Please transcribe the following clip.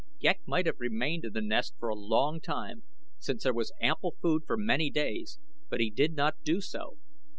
Ghek might have remained in the nest for a long time, since there was ample food for many days; but he did not do so.